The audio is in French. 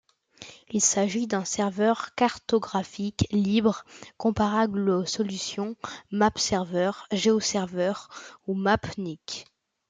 Il s'agit d'un serveur cartographique libre comparable aux solutions MapServer, GeoServer ou Mapnik.